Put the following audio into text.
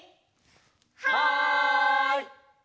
はい！